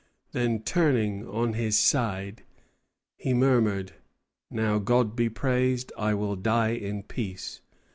Then, turning on his side, he murmured, "Now, God be praised, I will die in peace!"